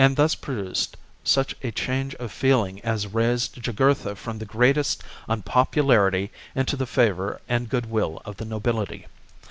CHAP, thus produced such a change of feeling as raised Jugurtha from the greatest unpopularity into the favour and good will of the nobility.